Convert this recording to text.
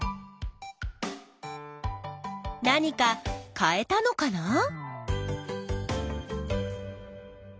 何か変えたのかな？